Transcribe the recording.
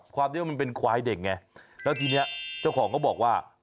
ความที่ว่ามันเป็นควายเด็กไงแล้วทีนี้เจ้าของก็บอกว่า